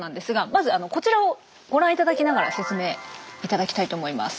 まずこちらをご覧頂きながら説明頂きたいと思います。